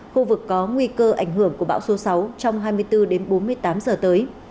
khu vực có nguy cơ ảnh hưởng của bão số sáu trong hai mươi bốn đến bốn mươi tám giờ tới